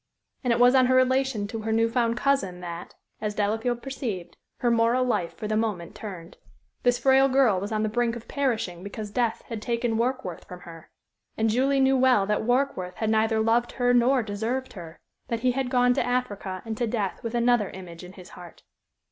And it was on her relation to her new found cousin that, as Delafield perceived, her moral life for the moment turned. This frail girl was on the brink of perishing because death had taken Warkworth from her. And Julie knew well that Warkworth had neither loved her nor deserved her that he had gone to Africa and to death with another image in his heart.